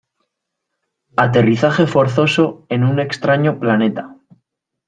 Aterrizaje forzoso en un extraño planeta.